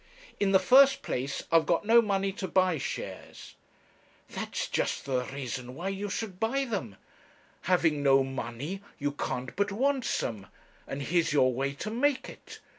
'In the first place, I've got no money to buy shares.' 'That's just the reason why you should buy them; having no money, you can't but want some; and here's your way to make it.